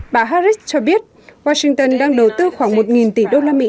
bà harris cho biết washington đang đầu tư khoảng một tỷ đô la mỹ